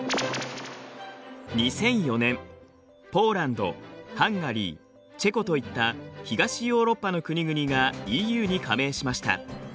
２００４年ポーランドハンガリーチェコといった東ヨーロッパの国々がＥＵに加盟しました。